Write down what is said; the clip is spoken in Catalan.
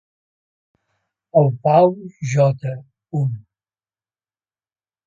El Paul J.